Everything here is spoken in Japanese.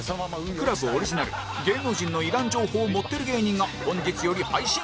ＣＬＵＢ オリジナル芸能人のいらん情報もってる芸人が本日より配信